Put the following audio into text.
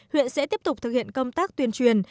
huyện sẽ tiếp tục thực hiện công tác tuyên truyền